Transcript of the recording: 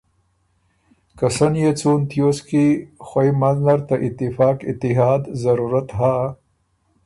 که سن يې څُون تیوس کی خوئ منځ نر ته اتفاق اتحاد ضرورت هۀ،